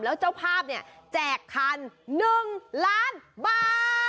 แล้วเจ้าภาพเนี่ยแจกคัน๑ล้านบาท